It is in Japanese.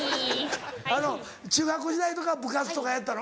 中学時代とか部活とかやったの？